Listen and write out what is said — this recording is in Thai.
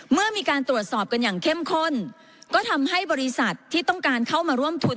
เมื่อมีการตรวจสอบกันอย่างเข้มข้นก็ทำให้บริษัทที่ต้องการเข้ามาร่วมทุน